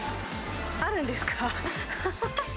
あるんですか？